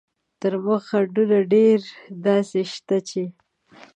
تر مخ خنډونه ډېر څه داسې شته چې.